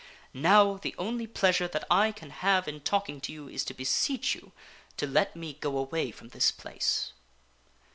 Now, the only pleasure that I can have in talking to you is to beseech you to let me go away from this place."